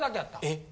・えっ？